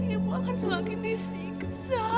ibu akan semakin disiksa